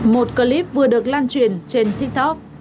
một clip vừa được lan truyền trên tiktok